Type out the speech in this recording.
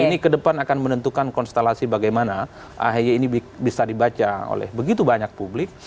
ini kedepan akan menentukan konstelasi bagaimana ahy ini bisa dibaca oleh begitu banyak publik